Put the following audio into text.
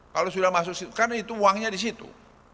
kalau sudah masuk karena itu uangnya di situ